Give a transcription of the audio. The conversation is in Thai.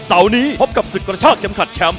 เสาร์นี้พบกับศึกกระชากเข็มขัดแชมป์